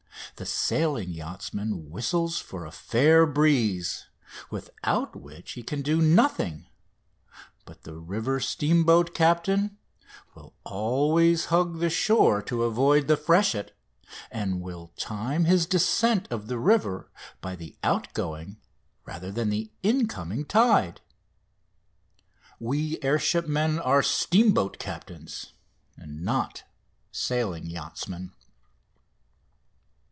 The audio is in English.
The sailing yachtsman whistles for a fair breeze, without which he can do nothing, but the river steamboat captain will always hug the shore to avoid the freshet, and will time his descent of the river by the outgoing, rather than the incoming, tide. We air shipmen are steamboat captains and not sailing yachtsmen.